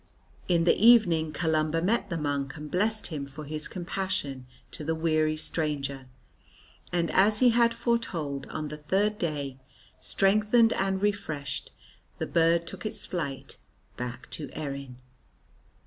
In the evening Columba met the monk and blessed him for his compassion to the weary stranger; and, as he had foretold, on the third day, strengthened and refreshed the bird took its flight back to Erin.